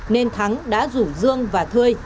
nên thắng đã rủ dương và thươi